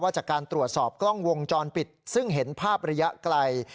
จากการตรวจสอบกล้องวงจรปิดซึ่งเห็นภาพระยะไกล